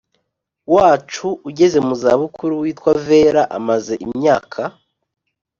wacu ugeze mu za bukuru witwa vera amaze imyaka